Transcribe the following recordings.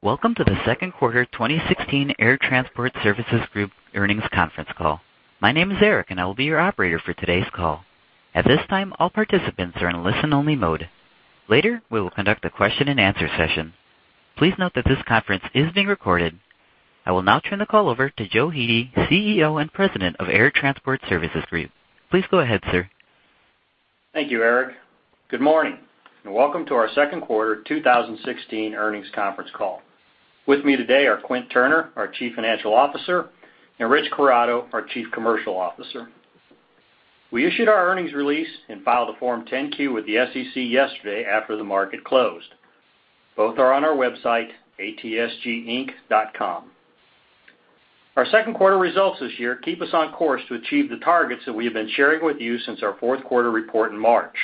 Welcome to the second quarter 2016 Air Transport Services Group earnings conference call. My name is Eric, I will be your operator for today's call. At this time, all participants are in listen-only mode. Later, we will conduct a question and answer session. Please note that this conference is being recorded. I will now turn the call over to Joe Hete, CEO and President of Air Transport Services Group. Please go ahead, sir. Thank you, Eric. Good morning, and welcome to our second quarter 2016 earnings conference call. With me today are Quint Turner, our Chief Financial Officer, and Rich Corrado, our Chief Commercial Officer. We issued our earnings release and filed a Form 10-Q with the SEC yesterday after the market closed. Both are on our website, atsginc.com. Our second quarter results this year keep us on course to achieve the targets that we have been sharing with you since our fourth quarter report in March.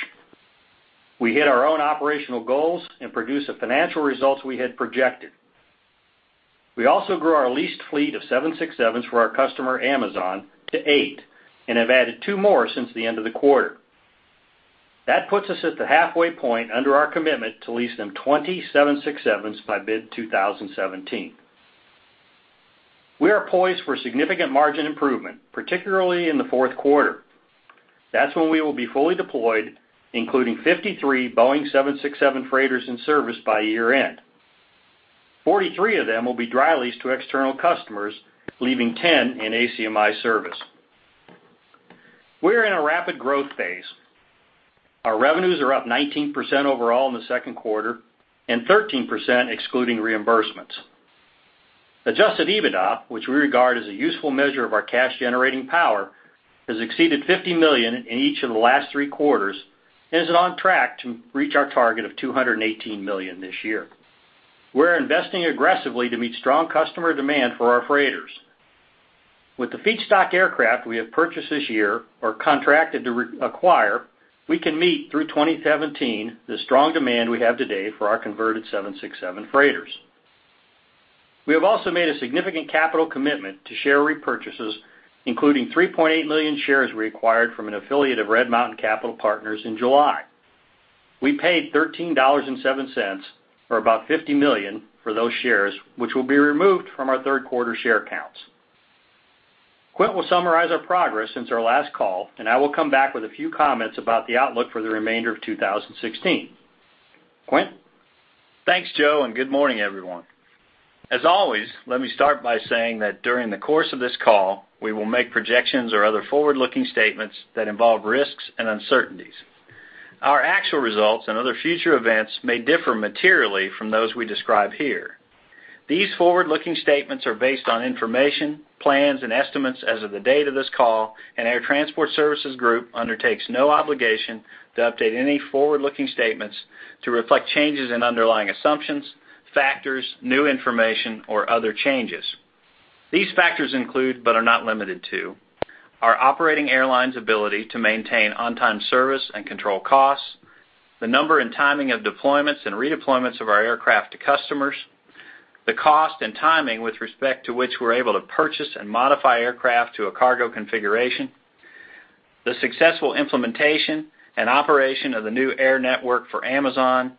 We hit our own operational goals and produced the financial results we had projected. We also grew our leased fleet of 767s for our customer, Amazon, to eight, and have added two more since the end of the quarter. That puts us at the halfway point under our commitment to lease them 20 767s by mid-2017. We are poised for significant margin improvement, particularly in the fourth quarter. That's when we will be fully deployed, including 53 Boeing 767 freighters in service by year-end. 43 of them will be dry leased to external customers, leaving 10 in ACMI service. We are in a rapid growth phase. Our revenues are up 19% overall in the second quarter and 13% excluding reimbursements. Adjusted EBITDA, which we regard as a useful measure of our cash-generating power, has exceeded $50 million in each of the last three quarters and is on track to reach our target of $218 million this year. We're investing aggressively to meet strong customer demand for our freighters. With the feedstock aircraft we have purchased this year or contracted to acquire, we can meet through 2017 the strong demand we have today for our converted 767 freighters. We have also made a significant capital commitment to share repurchases, including 3.8 million shares we acquired from an affiliate of Red Mountain Capital Partners in July. We paid $13.07, or about $50 million for those shares, which will be removed from our third-quarter share counts. Quint will summarize our progress since our last call, I will come back with a few comments about the outlook for the remainder of 2016. Quint? Thanks, Joe, good morning, everyone. As always, let me start by saying that during the course of this call, we will make projections or other forward-looking statements that involve risks and uncertainties. Our actual results and other future events may differ materially from those we describe here. These forward-looking statements are based on information, plans, and estimates as of the date of this call, Air Transport Services Group undertakes no obligation to update any forward-looking statements to reflect changes in underlying assumptions, factors, new information, or other changes. These factors include, but are not limited to, our operating airline's ability to maintain on-time service and control costs, the number and timing of deployments and redeployments of our aircraft to customers, the cost and timing with respect to which we're able to purchase and modify aircraft to a cargo configuration, the successful implementation and operation of the new air network for Amazon,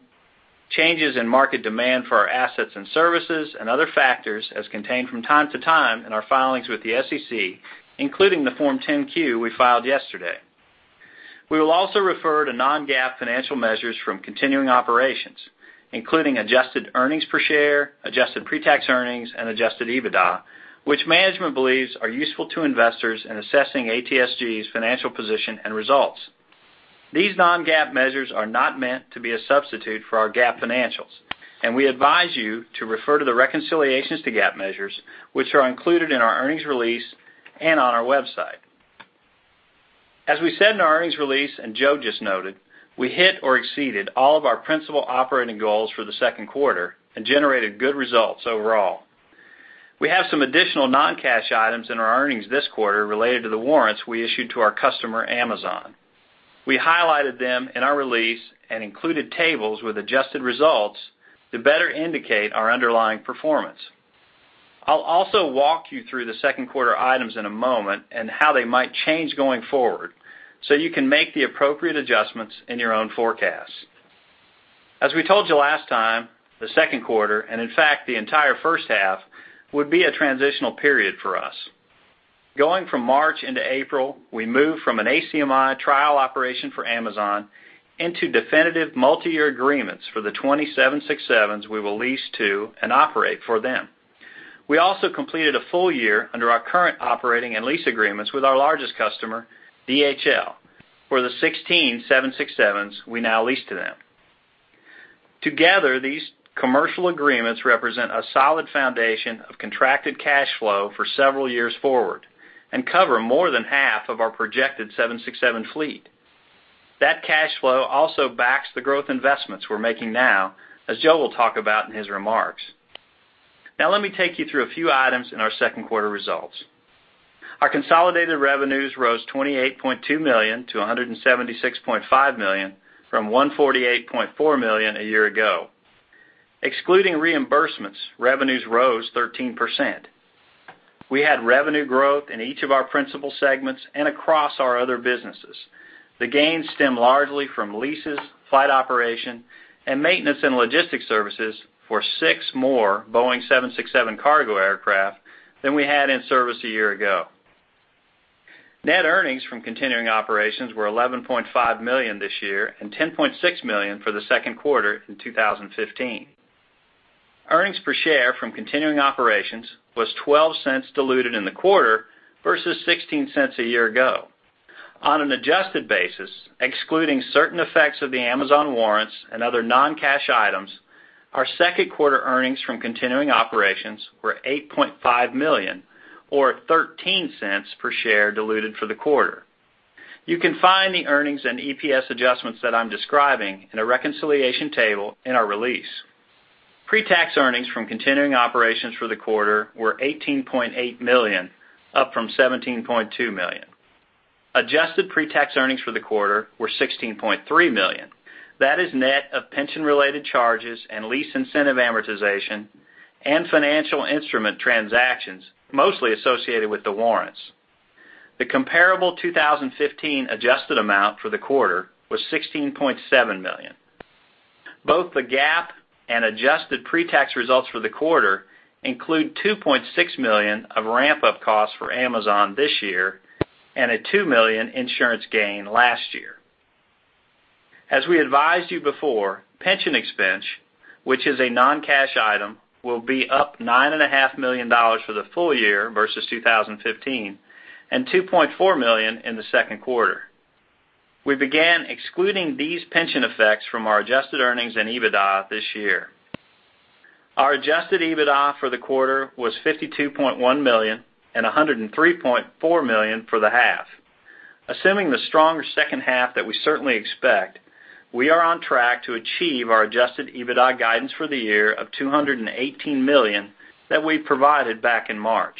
changes in market demand for our assets and services, and other factors as contained from time to time in our filings with the SEC, including the Form 10-Q we filed yesterday. We will also refer to non-GAAP financial measures from continuing operations, including adjusted earnings per share, adjusted pre-tax earnings, and adjusted EBITDA, which management believes are useful to investors in assessing ATSG's financial position and results. These non-GAAP measures are not meant to be a substitute for our GAAP financials, we advise you to refer to the reconciliations to GAAP measures, which are included in our earnings release and on our website. As we said in our earnings release, Joe just noted, we hit or exceeded all of our principal operating goals for the second quarter and generated good results overall. We have some additional non-cash items in our earnings this quarter related to the warrants we issued to our customer, Amazon. We highlighted them in our release and included tables with adjusted results to better indicate our underlying performance. I'll also walk you through the second quarter items in a moment and how they might change going forward so you can make the appropriate adjustments in your own forecasts. As we told you last time, the second quarter, in fact, the entire first half, would be a transitional period for us. Going from March into April, we moved from an ACMI trial operation for Amazon into definitive multi-year agreements for the 20 767s we will lease to and operate for them. We also completed a full year under our current operating and lease agreements with our largest customer, DHL, for the 16 767s we now lease to them. Together, these commercial agreements represent a solid foundation of contracted cash flow for several years forward and cover more than half of our projected 767 fleet. That cash flow also backs the growth investments we're making now, as Joe will talk about in his remarks. Let me take you through a few items in our second quarter results. Our consolidated revenues rose $28.2 million to $176.5 million from $148.4 million a year ago. Excluding reimbursements, revenues rose 13%. We had revenue growth in each of our principal segments and across our other businesses. The gains stem largely from leases, flight operation, and maintenance and logistics services for six more Boeing 767 cargo aircraft than we had in service a year ago. Net earnings from continuing operations were $11.5 million this year and $10.6 million for the second quarter in 2015. Earnings per share from continuing operations was $0.12 diluted in the quarter versus $0.16 a year ago. On an adjusted basis, excluding certain effects of the Amazon warrants and other non-cash items, our second quarter earnings from continuing operations were $8.5 million or $0.13 per share diluted for the quarter. You can find the earnings and EPS adjustments that I'm describing in a reconciliation table in our release. Pre-tax earnings from continuing operations for the quarter were $18.8 million, up from $17.2 million. Adjusted pre-tax earnings for the quarter were $16.3 million. That is net of pension-related charges and lease incentive amortization and financial instrument transactions, mostly associated with the warrants. The comparable 2015 adjusted amount for the quarter was $16.7 million. Both the GAAP and adjusted pre-tax results for the quarter include $2.6 million of ramp-up costs for Amazon this year and a $2 million insurance gain last year. As we advised you before, pension expense, which is a non-cash item, will be up $9.5 million for the full year versus 2015 and $2.4 million in the second quarter. We began excluding these pension effects from our adjusted earnings and EBITDA this year. Our adjusted EBITDA for the quarter was $52.1 million and $103.4 million for the half. Assuming the stronger second half that we certainly expect, we are on track to achieve our adjusted EBITDA guidance for the year of $218 million that we provided back in March.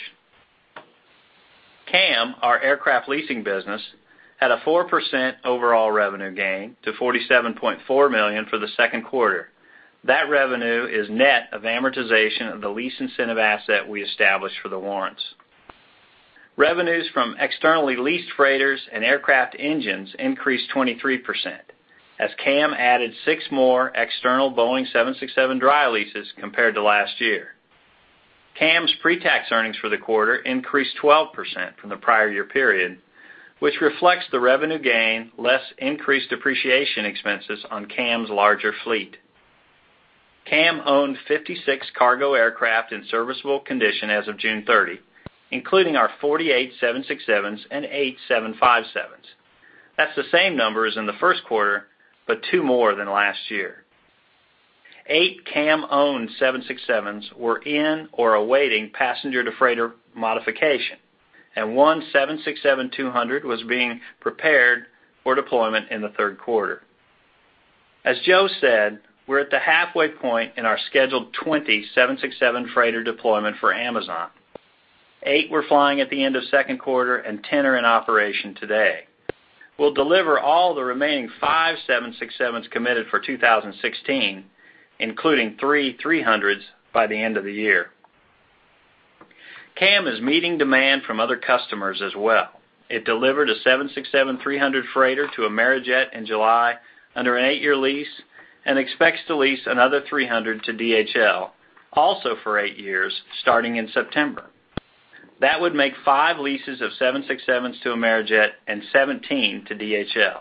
CAM, our aircraft leasing business, had a 4% overall revenue gain to $47.4 million for the second quarter. That revenue is net of amortization of the lease incentive asset we established for the warrants. Revenues from externally leased freighters and aircraft engines increased 23% as CAM added six more external Boeing 767 dry leases compared to last year. CAM's pre-tax earnings for the quarter increased 12% from the prior year period, which reflects the revenue gain, less increased depreciation expenses on CAM's larger fleet. CAM owned 56 cargo aircraft in serviceable condition as of June 30, including our 48 767s and eight 757s. That's the same number as in the first quarter, but two more than last year. Eight CAM-owned 767s were in or awaiting passenger-to-freighter modification, and one 767-200 was being prepared for deployment in the third quarter. As Joe said, we're at the halfway point in our scheduled 20 767 freighter deployment for Amazon. Eight were flying at the end of second quarter, and 10 are in operation today. We'll deliver all the remaining five 767s committed for 2016, including three 300s, by the end of the year. CAM is meeting demand from other customers as well. It delivered a 767-300 freighter to Amerijet in July under an eight-year lease and expects to lease another 300 to DHL, also for eight years, starting in September. That would make five leases of 767s to Amerijet and 17 to DHL.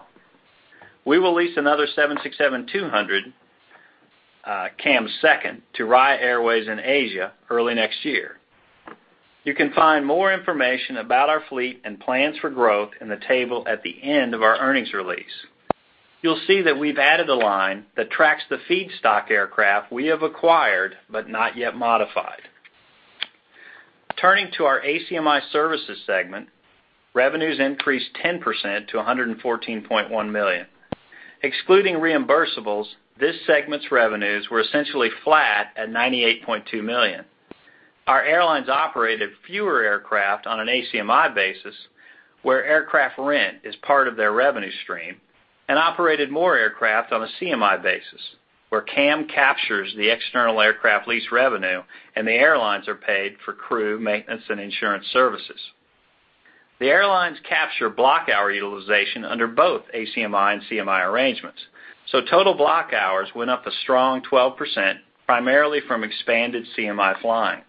We will lease another 767-200, CAM's second, to Raya Airways in Asia early next year. You can find more information about our fleet and plans for growth in the table at the end of our earnings release. You'll see that we've added a line that tracks the feedstock aircraft we have acquired but not yet modified. Turning to our ACMI Services segment, revenues increased 10% to $114.1 million. Excluding reimbursables, this segment's revenues were essentially flat at $98.2 million. Our airlines operated fewer aircraft on an ACMI basis, where aircraft rent is part of their revenue stream, and operated more aircraft on a CMI basis, where CAM captures the external aircraft lease revenue and the airlines are paid for crew, maintenance, and insurance services. The airlines capture block hour utilization under both ACMI and CMI arrangements, total block hours went up a strong 12%, primarily from expanded CMI flying.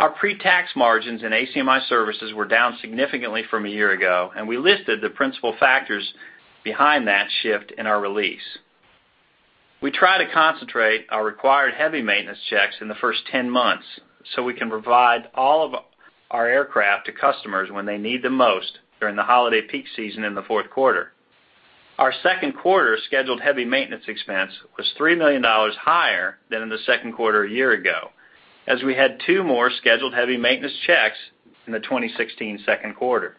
Our pre-tax margins in ACMI Services were down significantly from a year ago, we listed the principal factors behind that shift in our release. We try to concentrate our required heavy maintenance checks in the first 10 months so we can provide all of our aircraft to customers when they need them most during the holiday peak season in the fourth quarter. Our second quarter scheduled heavy maintenance expense was $3 million higher than in the second quarter a year ago, as we had two more scheduled heavy maintenance checks in the 2016 second quarter.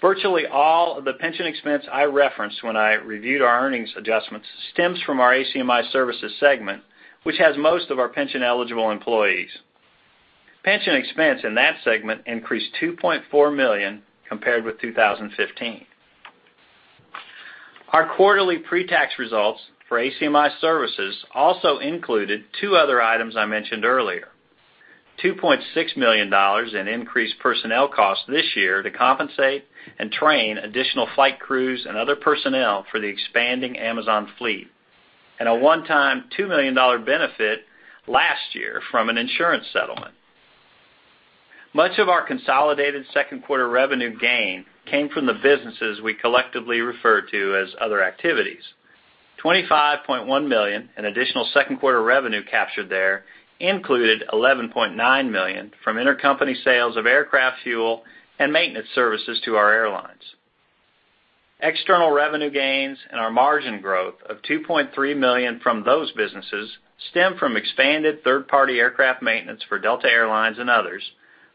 Virtually all of the pension expense I referenced when I reviewed our earnings adjustments stems from our ACMI Services segment, which has most of our pension-eligible employees. Pension expense in that segment increased $2.4 million compared with 2015. Our quarterly pre-tax results for ACMI Services also included two other items I mentioned earlier. $2.6 million in increased personnel costs this year to compensate and train additional flight crews and other personnel for the expanding Amazon fleet, a one-time $2 million benefit last year from an insurance settlement. Much of our consolidated second quarter revenue gain came from the businesses we collectively refer to as other activities. $25.1 million in additional second quarter revenue captured there included $11.9 million from intercompany sales of aircraft fuel and maintenance services to our airlines. External revenue gains and our margin growth of $2.3 million from those businesses stem from expanded third-party aircraft maintenance for Delta Air Lines and others,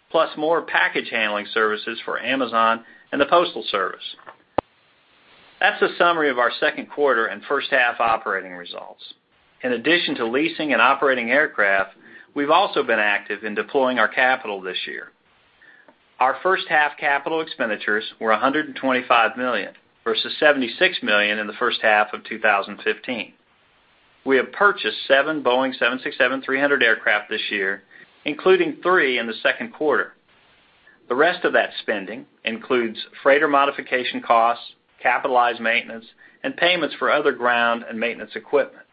plus more package handling services for Amazon and the Postal Service. That's a summary of our second quarter and first half operating results. In addition to leasing and operating aircraft, we've also been active in deploying our capital this year. Our first half capital expenditures were $125 million versus $76 million in the first half of 2015. We have purchased seven Boeing 767-300 aircraft this year, including three in the second quarter. The rest of that spending includes freighter modification costs, capitalized maintenance, and payments for other ground and maintenance equipment.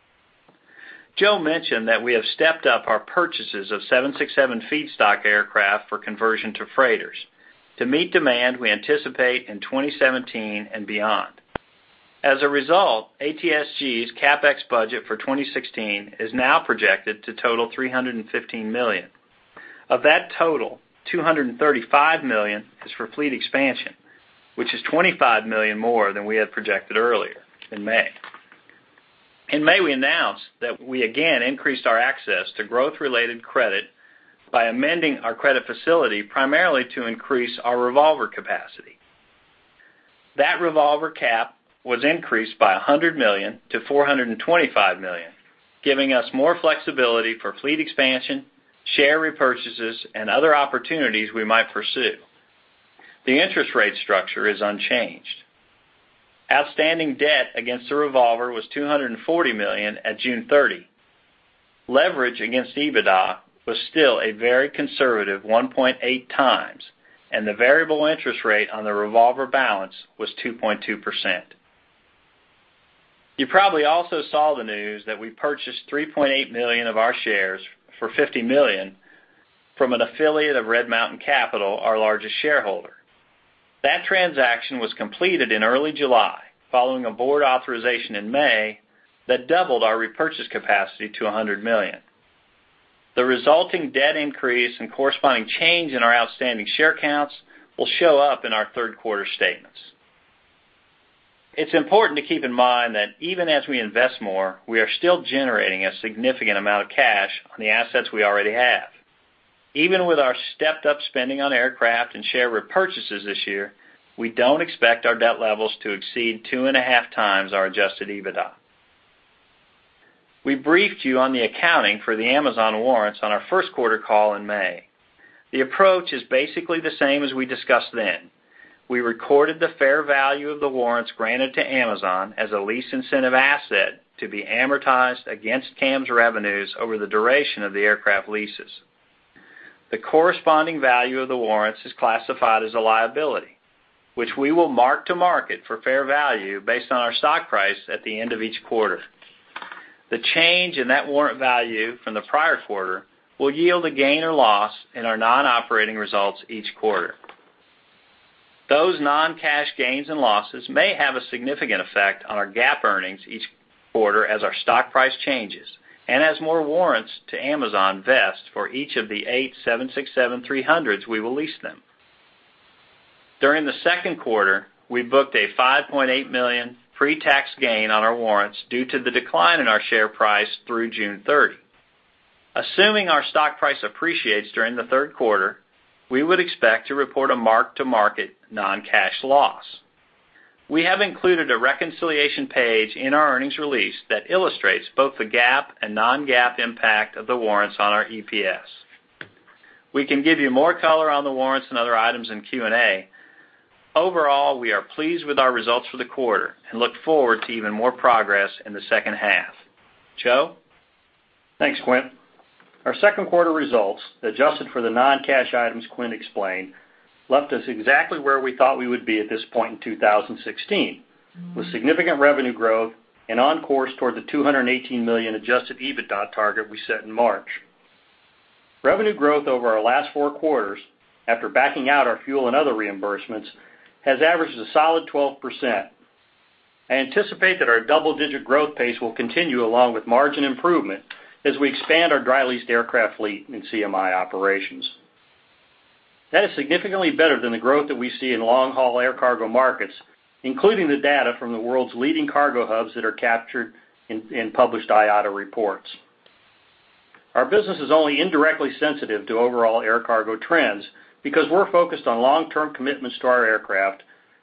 Joe mentioned that we have stepped up our purchases of 767 feedstock aircraft for conversion to freighters to meet demand we anticipate in 2017 and beyond. As a result, ATSG's CapEx budget for 2016 is now projected to total $315 million. Of that total, $235 million is for fleet expansion, which is $25 million more than we had projected earlier in May. In May, we announced that we again increased our access to growth-related credit by amending our credit facility primarily to increase our revolver capacity. That revolver cap was increased by $100 million to $425 million, giving us more flexibility for fleet expansion, share repurchases, and other opportunities we might pursue. The interest rate structure is unchanged. Outstanding debt against the revolver was $240 million at June 30. Leverage against EBITDA was still a very conservative 1.8 times, and the variable interest rate on the revolver balance was 2.2%. You probably also saw the news that we purchased 3.8 million of our shares for $50 million from an affiliate of Red Mountain Capital, our largest shareholder. That transaction was completed in early July, following a board authorization in May that doubled our repurchase capacity to $100 million. The resulting debt increase and corresponding change in our outstanding share counts will show up in our third-quarter statements. It's important to keep in mind that even as we invest more, we are still generating a significant amount of cash on the assets we already have. Even with our stepped up spending on aircraft and share repurchases this year, we don't expect our debt levels to exceed 2.5 times our adjusted EBITDA. We briefed you on the accounting for the Amazon warrants on our first quarter call in May. The approach is basically the same as we discussed then. We recorded the fair value of the warrants granted to Amazon as a lease incentive asset to be amortized against CAM's revenues over the duration of the aircraft leases. The corresponding value of the warrants is classified as a liability, which we will mark to market for fair value based on our stock price at the end of each quarter. The change in net warrant value from the prior quarter will yield a gain or loss in our non-operating results each quarter. Those non-cash gains and losses may have a significant effect on our GAAP earnings each quarter as our stock price changes and as more warrants to Amazon vest for each of the eight 767-300s we will lease them. During the second quarter, we booked a $5.8 million pre-tax gain on our warrants due to the decline in our share price through June 30. Assuming our stock price appreciates during the third quarter, we would expect to report a mark-to-market non-cash loss. We have included a reconciliation page in our earnings release that illustrates both the GAAP and non-GAAP impact of the warrants on our EPS. We can give you more color on the warrants and other items in Q&A. Overall, we are pleased with our results for the quarter and look forward to even more progress in the second half. Joe? Thanks, Quint. Our second quarter results, adjusted for the non-cash items Quint explained, left us exactly where we thought we would be at this point in 2016, with significant revenue growth and on course toward the $218 million adjusted EBITDA target we set in March. Revenue growth over our last four quarters, after backing out our fuel and other reimbursements, has averaged a solid 12%. I anticipate that our double-digit growth pace will continue along with margin improvement as we expand our dry leased aircraft fleet in CMI operations. That is significantly better than the growth that we see in long-haul air cargo markets, including the data from the world's leading cargo hubs that are captured in published IATA reports. Our business is only indirectly sensitive to overall air cargo trends because we're focused on long-term commitments to our aircraft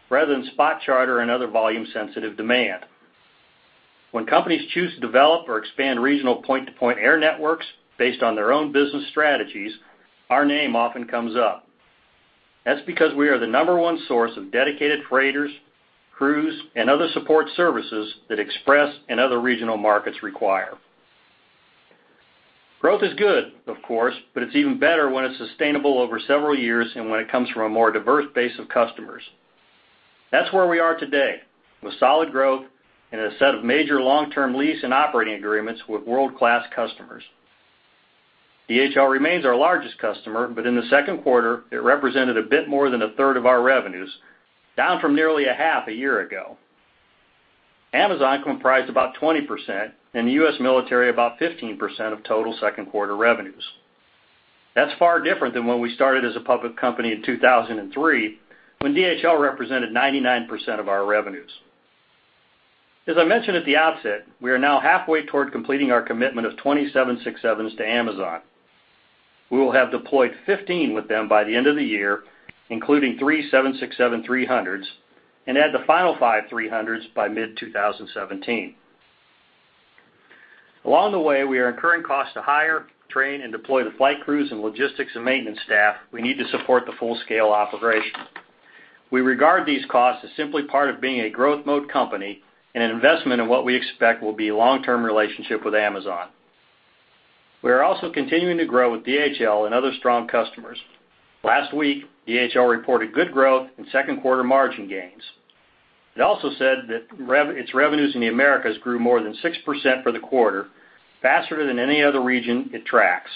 rather than spot charter and other volume-sensitive demand. When companies choose to develop or expand regional point-to-point air networks based on their own business strategies, our name often comes up. That's because we are the number one source of dedicated freighters, crews, and other support services that express and other regional markets require. Growth is good, of course, but it's even better when it's sustainable over several years and when it comes from a more diverse base of customers. That's where we are today, with solid growth and a set of major long-term lease and operating agreements with world-class customers. DHL remains our largest customer, but in the second quarter, it represented a bit more than a third of our revenues, down from nearly a half a year ago. Amazon comprised about 20%, and the U.S. military about 15% of total second-quarter revenues. That's far different than when we started as a public company in 2003, when DHL represented 99% of our revenues. As I mentioned at the outset, we are now halfway toward completing our commitment of 767s to Amazon. We will have deployed 15 with them by the end of the year, including three 767-300s, and add the final five 300s by mid-2017. Along the way, we are incurring costs to hire, train, and deploy the flight crews and logistics and maintenance staff we need to support the full-scale operation. We regard these costs as simply part of being a growth mode company and an investment in what we expect will be a long-term relationship with Amazon. We are also continuing to grow with DHL and other strong customers. Last week, DHL reported good growth in second-quarter margin gains. It also said that its revenues in the Americas grew more than 6% for the quarter, faster than any other region it tracks.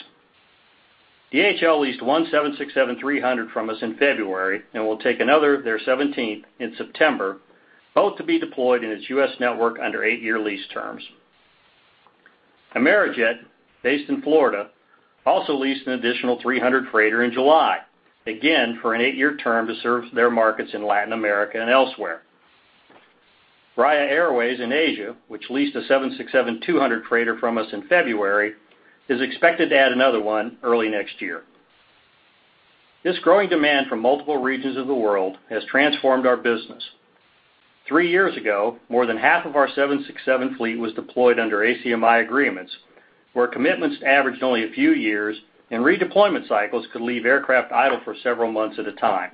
DHL leased one 767-300 from us in February and will take another, their 17th, in September, both to be deployed in its U.S. network under eight-year lease terms. Amerijet, based in Florida, also leased an additional 300 freighter in July, again, for an eight-year term to serve their markets in Latin America and elsewhere. Raya Airways in Asia, which leased a 767-200 freighter from us in February, is expected to add another one early next year. This growing demand from multiple regions of the world has transformed our business. Three years ago, more than half of our 767 fleet was deployed under ACMI agreements, where commitments averaged only a few years and redeployment cycles could leave aircraft idle for several months at a time.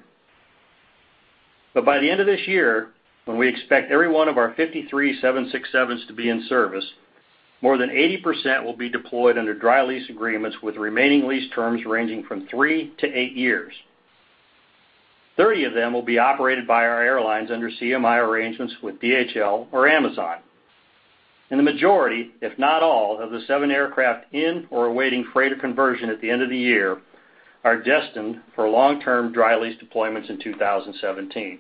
By the end of this year, when we expect every one of our 53 767s to be in service, more than 80% will be deployed under dry lease agreements with remaining lease terms ranging from three to eight years. 30 of them will be operated by our airlines under CMI arrangements with DHL or Amazon. The majority, if not all, of the seven aircraft in or awaiting freighter conversion at the end of the year are destined for long-term dry lease deployments in 2017.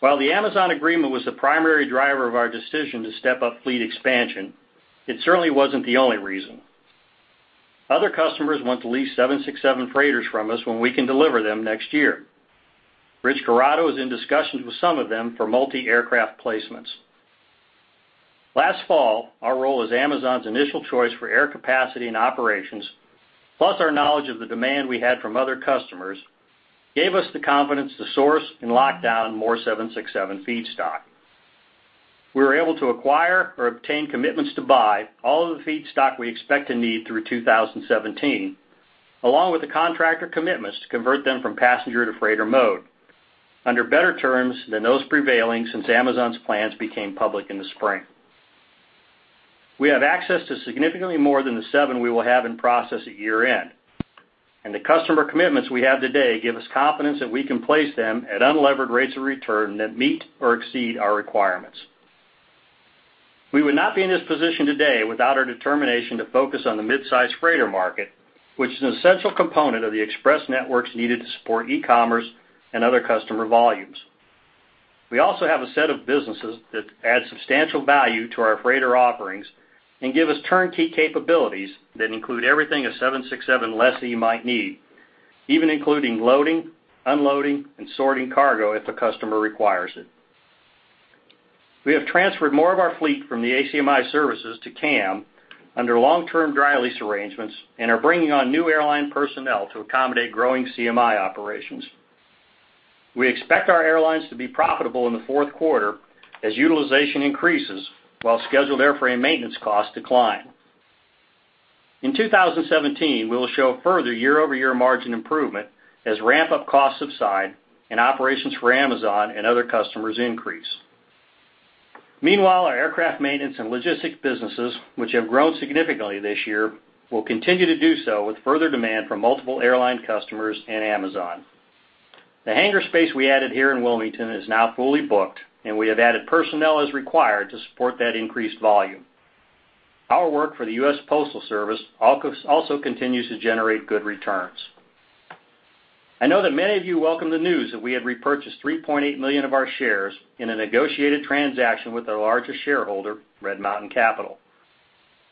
While the Amazon agreement was the primary driver of our decision to step up fleet expansion, it certainly wasn't the only reason. Other customers want to lease 767 freighters from us when we can deliver them next year. Rich Corrado is in discussions with some of them for multi-aircraft placements. Last fall, our role as Amazon's initial choice for air capacity and operations, plus our knowledge of the demand we had from other customers, gave us the confidence to source and lock down more 767 feedstock. We were able to acquire or obtain commitments to buy all of the feedstock we expect to need through 2017, along with the contractor commitments to convert them from passenger to freighter mode under better terms than those prevailing since Amazon's plans became public in the spring. We have access to significantly more than the seven we will have in process at year-end. The customer commitments we have today give us confidence that we can place them at unlevered rates of return that meet or exceed our requirements. We would not be in this position today without our determination to focus on the midsize freighter market, which is an essential component of the express networks needed to support e-commerce and other customer volumes. We also have a set of businesses that add substantial value to our freighter offerings and give us turnkey capabilities that include everything a 767 lessee might need, even including loading, unloading, and sorting cargo if a customer requires it. We have transferred more of our fleet from the ACMI Services to CAM under long-term dry lease arrangements and are bringing on new airline personnel to accommodate growing CMI operations. We expect our airlines to be profitable in the fourth quarter as utilization increases while scheduled airframe maintenance costs decline. In 2017, we will show further year-over-year margin improvement as ramp-up costs subside and operations for Amazon and other customers increase. Meanwhile, our aircraft maintenance and logistics businesses, which have grown significantly this year, will continue to do so with further demand from multiple airline customers and Amazon. The hangar space we added here in Wilmington is now fully booked, and we have added personnel as required to support that increased volume. Our work for the U.S. Postal Service also continues to generate good returns. I know that many of you welcome the news that we had repurchased 3.8 million of our shares in a negotiated transaction with our largest shareholder, Red Mountain Capital.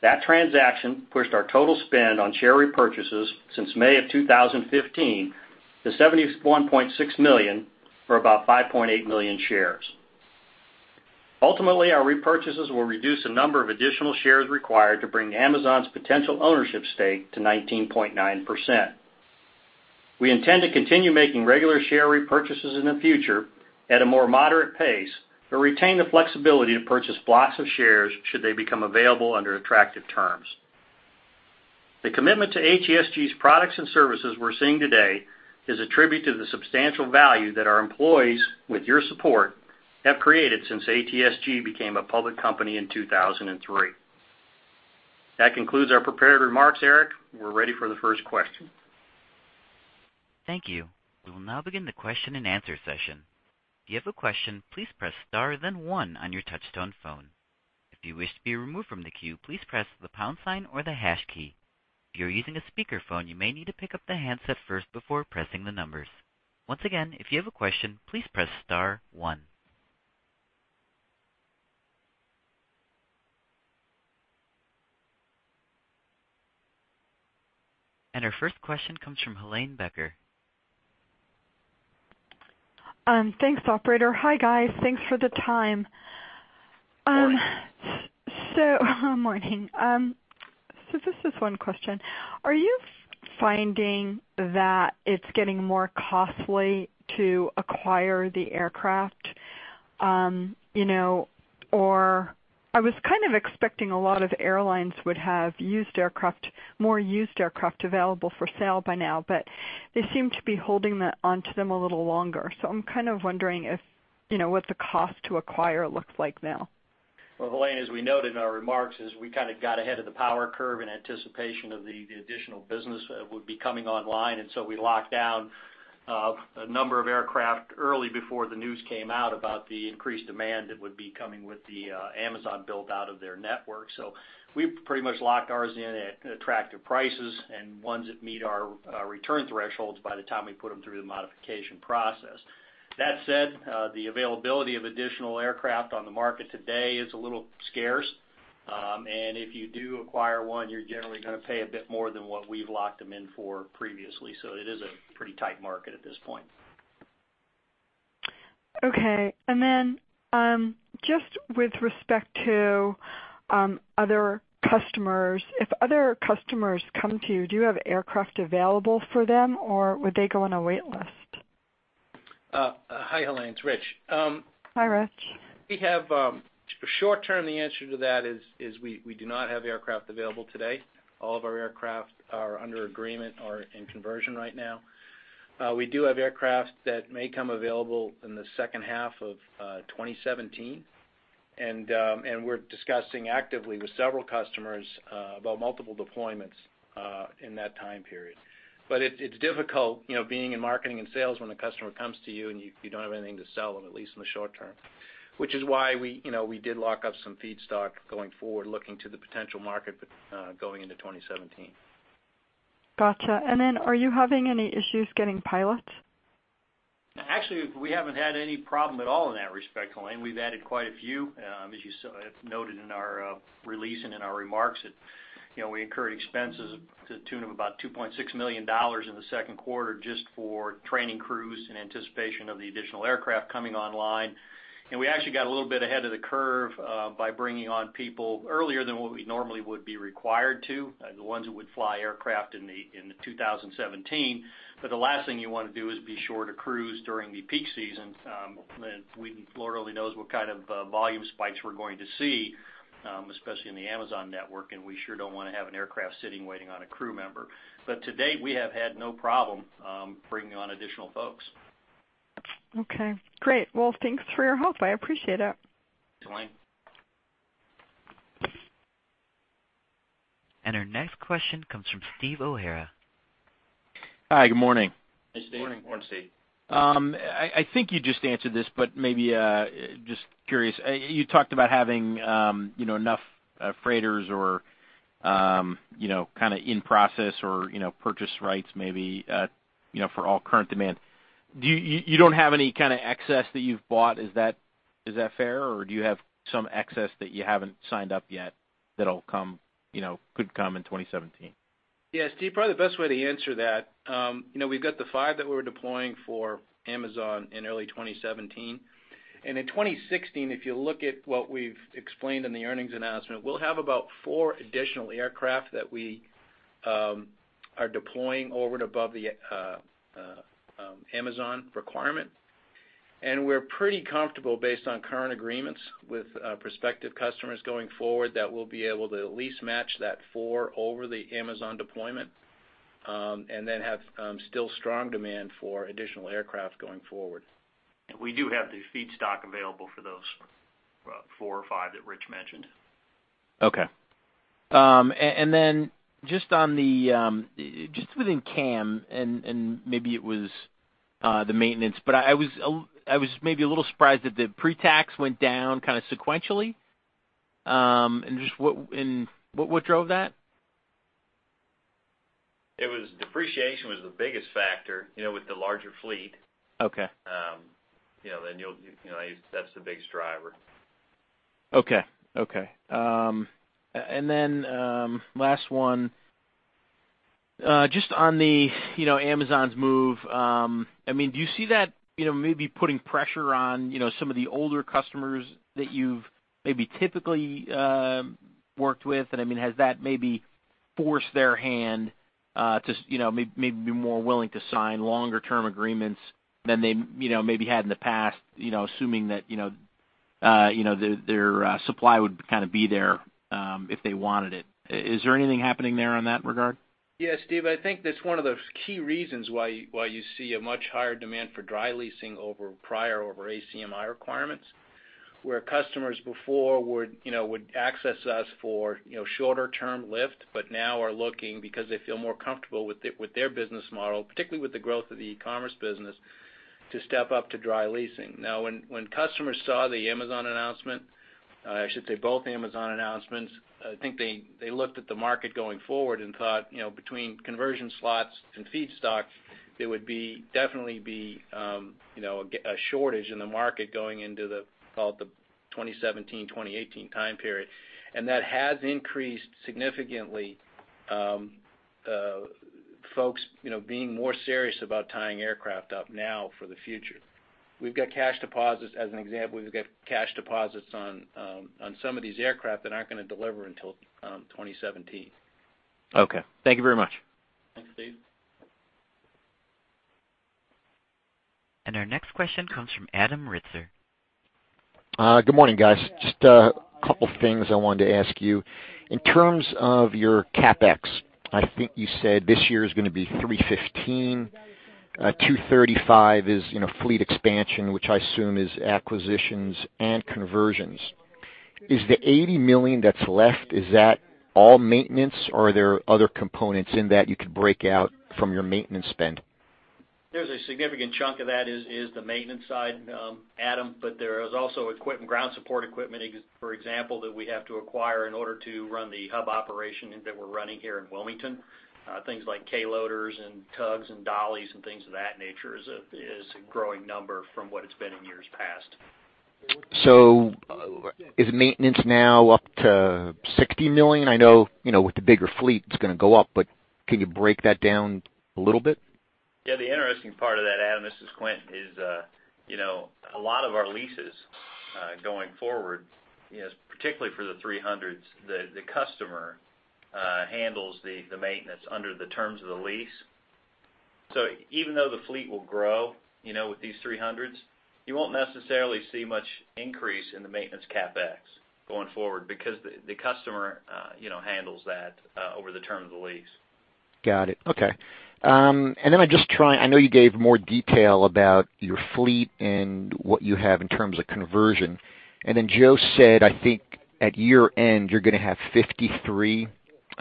That transaction pushed our total spend on share repurchases since May of 2015 to $71.6 million, or about 5.8 million shares. Ultimately, our repurchases will reduce the number of additional shares required to bring Amazon's potential ownership stake to 19.9%. We intend to continue making regular share repurchases in the future at a more moderate pace but retain the flexibility to purchase blocks of shares should they become available under attractive terms. The commitment to ATSG's products and services we're seeing today is a tribute to the substantial value that our employees, with your support, have created since ATSG became a public company in 2003. That concludes our prepared remarks, Eric. We're ready for the first question. Thank you. We will now begin the question and answer session. If you have a question, please press star then one on your touchtone phone. If you wish to be removed from the queue, please press the pound sign or the hash key. If you're using a speakerphone, you may need to pick up the handset first before pressing the numbers. Once again, if you have a question, please press star one. Our first question comes from Helane Becker. Thanks, operator. Hi, guys. Thanks for the time. Morning. Morning. This is one question. Are you finding that it's getting more costly to acquire the aircraft? I was kind of expecting a lot of airlines would have more used aircraft available for sale by now, but they seem to be holding onto them a little longer. I'm kind of wondering what the cost to acquire looks like now. Helane, as we noted in our remarks, we kind of got ahead of the power curve in anticipation of the additional business that would be coming online, we locked down a number of aircraft early before the news came out about the increased demand that would be coming with the Amazon build-out of their network. We've pretty much locked ours in at attractive prices and ones that meet our return thresholds by the time we put them through the modification process. That said, the availability of additional aircraft on the market today is a little scarce. If you do acquire one, you're generally going to pay a bit more than what we've locked them in for previously. It is a pretty tight market at this point. Okay. Just with respect to other customers, if other customers come to you, do you have aircraft available for them, or would they go on a wait list? Hi, Helane. It's Rich. Hi, Rich. Short term, the answer to that is we do not have aircraft available today. All of our aircraft are under agreement or in conversion right now. We do have aircraft that may come available in the second half of 2017, and we're discussing actively with several customers about multiple deployments in that time period. It's difficult being in marketing and sales when a customer comes to you and you don't have anything to sell them, at least in the short term. Which is why we did lock up some feedstock going forward, looking to the potential market going into 2017. Got you. Are you having any issues getting pilots? Actually, we haven't had any problem at all in that respect, Helane. We've added quite a few. As you noted in our release and in our remarks, we incurred expenses to the tune of about $2.6 million in the second quarter just for training crews in anticipation of the additional aircraft coming online. We actually got a little bit ahead of the curve by bringing on people earlier than what we normally would be required to, the ones who would fly aircraft in 2017. The last thing you want to do is be short of crews during the peak season. Lord only knows what kind of volume spikes we're going to see, especially in the Amazon network, and we sure don't want to have an aircraft sitting, waiting on a crew member. To date, we have had no problem bringing on additional folks. Okay, great. Well, thanks for your help. I appreciate it. Helane. Our next question comes from Steve O'Hara. Hi, good morning. Hi, Steve. Morning. Morning, Steve. I think you just answered this, but maybe just curious. You talked about having enough freighters or kind of in process or purchase rights maybe for all current demand. You don't have any kind of excess that you've bought, is that fair? Do you have some excess that you haven't signed up yet that could come in 2017? Yeah, Steve, probably the best way to answer that, we've got the five that we're deploying for Amazon in early 2017. In 2016, if you look at what we've explained in the earnings announcement, we'll have about four additional aircraft that we are deploying over and above the Amazon requirement. We're pretty comfortable based on current agreements with prospective customers going forward that we'll be able to at least match that four over the Amazon deployment, and then have still strong demand for additional aircraft going forward. We do have the feedstock available for those four or five that Rich mentioned. Okay. Just within CAM, and maybe it was the maintenance, but I was maybe a little surprised that the pre-tax went down kind of sequentially. Just what drove that? Depreciation was the biggest factor, with the larger fleet. Okay. That's the biggest driver. Last one. Just on the Amazon's move, do you see that maybe putting pressure on some of the older customers that you've maybe typically worked with, and has that maybe forced their hand to maybe be more willing to sign longer-term agreements than they maybe had in the past, assuming that their supply would be there, if they wanted it? Is there anything happening there in that regard? Yes, Steve, I think that's one of those key reasons why you see a much higher demand for dry leasing over prior ACMI requirements. Where customers before would access us for shorter-term lift, but now are looking, because they feel more comfortable with their business model, particularly with the growth of the e-commerce business, to step up to dry leasing. When customers saw the Amazon announcement, I should say both Amazon announcements, I think they looked at the market going forward and thought, between conversion slots and feedstock, it would definitely be a shortage in the market going into the, call it the 2017-2018 time period. That has increased significantly, folks being more serious about tying aircraft up now for the future. We've got cash deposits, as an example, we've got cash deposits on some of these aircraft that aren't going to deliver until 2017. Okay. Thank you very much. Thanks, Steve. Our next question comes from Adam Ritzer. Good morning, guys. Just a couple of things I wanted to ask you. In terms of your CapEx, I think you said this year is going to be $315. $235 is in a fleet expansion, which I assume is acquisitions and conversions. Is the $80 million that's left, is that all maintenance or are there other components in that you could break out from your maintenance spend? There's a significant chunk of that is the maintenance side, Adam. There is also ground support equipment, for example, that we have to acquire in order to run the hub operation that we're running here in Wilmington. Things like K loaders and tugs and dollies and things of that nature is a growing number from what it's been in years past. Is maintenance now up to $60 million? I know with the bigger fleet, it's going to go up. Can you break that down a little bit? The interesting part of that, Adam, this is Quint, is a lot of our leases, going forward, particularly for the 300s, the customer handles the maintenance under the terms of the lease. Even though the fleet will grow, with these 300s, you won't necessarily see much increase in the maintenance CapEx going forward because the customer handles that over the term of the lease. Got it. Okay. I know you gave more detail about your fleet and what you have in terms of conversion. Joe said, I think at year end, you're going to have 53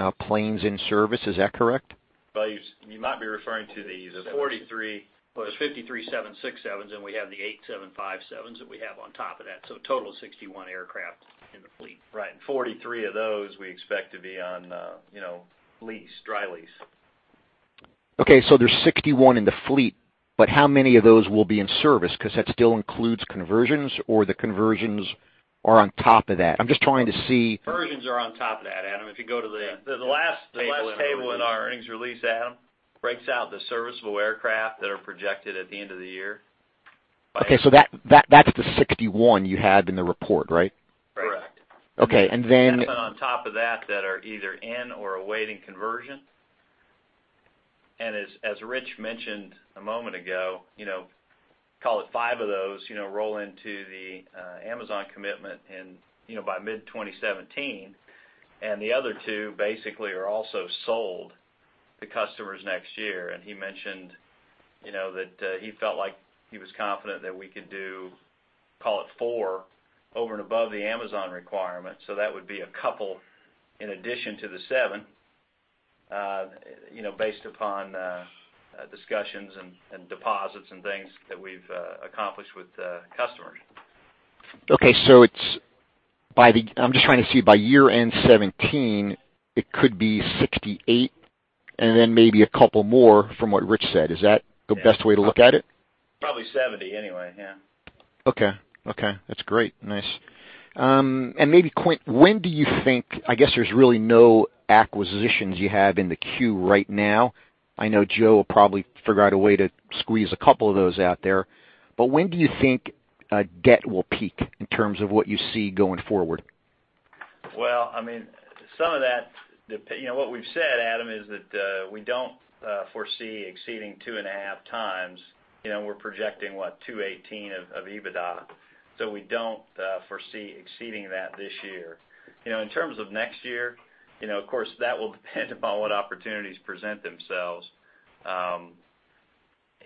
planes in service. Is that correct? Well, you might be referring to the. 43. Well, there's 53 767s, and we have the eight 757s that we have on top of that. Total of 61 aircraft in the fleet. Right. 43 of those we expect to be on lease, dry lease. Okay, there's 61 in the fleet, How many of those will be in service? Because that still includes conversions or the conversions are on top of that? I'm just trying to see. Conversions are on top of that, Adam. If you go to the last table in The last table in the earnings release, Adam, breaks out the serviceable aircraft that are projected at the end of the year. Okay, that's the 61 you had in the report, right? Correct. Okay. On top of that are either in or awaiting conversion. As Rich mentioned a moment ago, call it 5 of those, roll into the Amazon commitment by mid-2017, the other 2 basically are also sold to customers next year. He mentioned that he felt like he was confident that we could do, call it 4, over and above the Amazon requirement. That would be a couple in addition to the 7, based upon discussions and deposits and things that we've accomplished with customers. Okay. I'm just trying to see, by year end 2017, it could be 68, then maybe a couple more from what Rich said. Is that the best way to look at it? Probably 70 anyway, yeah. Okay. That's great. Nice. Maybe Quint, when do you think I guess there's really no acquisitions you have in the queue right now. I know Joe will probably figure out a way to squeeze a couple of those out there, but when do you think debt will peak in terms of what you see going forward? Some of that, what we've said, Adam, is that, we don't foresee exceeding two and a half times. We're projecting 218 of EBITDA. We don't foresee exceeding that this year. In terms of next year, of course, that will depend on what opportunities present themselves.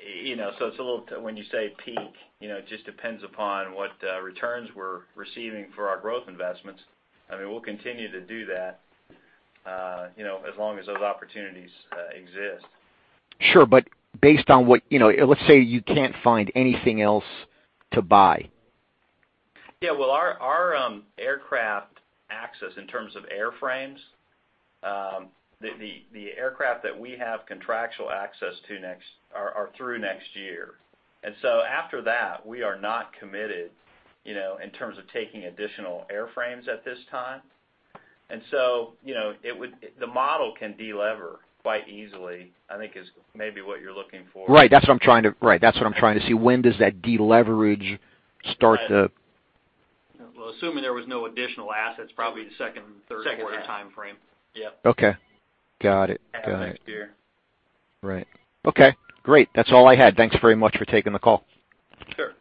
It's a little, when you say peak, just depends upon what returns we're receiving for our growth investments. We'll continue to do that as long as those opportunities exist. Sure, based on what, let's say you can't find anything else to buy. Our aircraft access in terms of airframes, the aircraft that we have contractual access to are through next year. After that, we are not committed in terms of taking additional airframes at this time. The model can de-lever quite easily, I think is maybe what you're looking for. Right. That's what I'm trying to see. When does that de-leverage start to Well, assuming there was no additional assets, probably the second and third quarter timeframe. Second half. Yep. Okay. Got it. Half of next year. Right. Okay, great. That's all I had. Thanks very much for taking the call. Sure.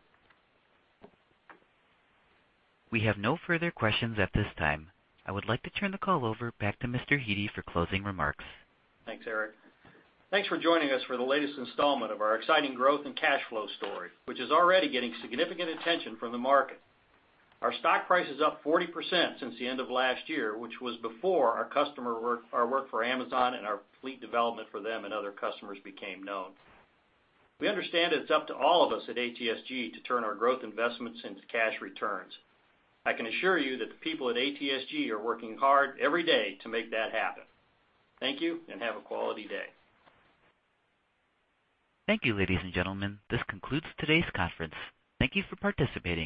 We have no further questions at this time. I would like to turn the call over back to Mr. Hete for closing remarks. Thanks, Eric. Thanks for joining us for the latest installment of our exciting growth and cash flow story, which is already getting significant attention from the market. Our stock price is up 40% since the end of last year, which was before our work for Amazon and our fleet development for them and other customers became known. We understand it's up to all of us at ATSG to turn our growth investments into cash returns. I can assure you that the people at ATSG are working hard every day to make that happen. Thank you and have a quality day. Thank you, ladies and gentlemen. This concludes today's conference. Thank you for participating.